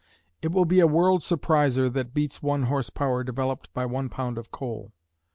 It will be a world surpriser that beats one horse power developed by one pound of coal.